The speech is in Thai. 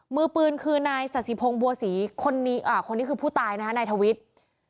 มือปืนคือนายสัสสิพงศ์บัวศรีคนนี้คือผู้ตายนะฮะนายทวิทย์